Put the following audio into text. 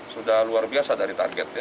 sudah luar biasa dari targetnya